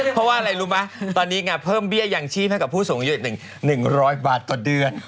เพราะว่าอะไรรู้ไหมตอนนี้ไงเพิ่มเบี้ยยังชีพให้กับผู้สูงอายุ๑๐๐บาทต่อเดือน